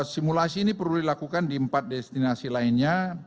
simulasi ini perlu dilakukan di empat destinasi lainnya